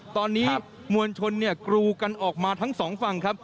ตอนนี้มวลชนกรูกันออกมาทั้งสองฝั่งครับ